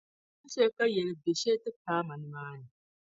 di pa shɛli ka yɛlibiɛ’ shɛli ti paai ma nimaani.